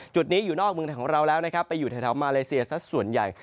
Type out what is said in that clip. จุดนี้อยู่นอกเมืองไทยของเราแล้วนะครับไปอยู่แถวมาเลเซียสักส่วนใหญ่